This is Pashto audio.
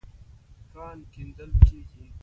کان کيندل کېږي.